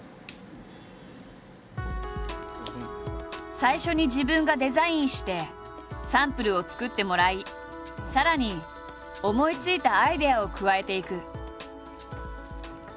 最初に自分がデザインしてサンプルを作ってもらいさらに思いついたアイデアを加えていく。